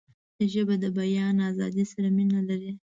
ژبه د بیان آزادۍ سره مینه لري